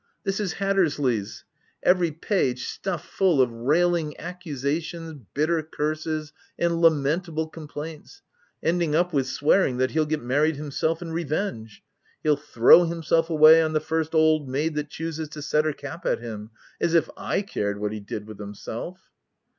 This is Hattersley's — every page stuffed full of railing accusations, bitter curses, and lamentable complaints, ending up with swearing that he'll get married himself in revenge: he'll throw himself away on the first old maid that chooses to set her cap at him, — as if / cared what he did with himself."